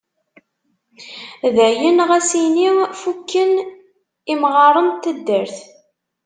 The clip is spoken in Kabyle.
Dayen, ɣas ini fukken imɣaren n taddart.